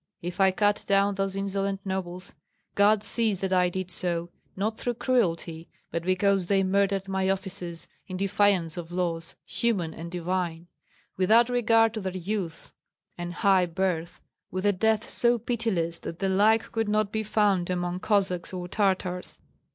If I cut down those insolent nobles, God sees that I did so not through cruelty, but because they murdered my officers in defiance of laws human and divine, without regard to their youth and high birth, with a death so pitiless that the like could not be found among Cossacks or Tartars.